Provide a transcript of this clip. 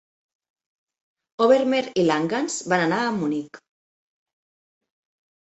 Obermaier i Langhans van anar a Munic.